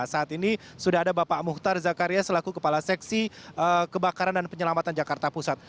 saat ini sudah ada bapak muhtar zakaria selaku kepala seksi kebakaran dan penyelamatan jakarta pusat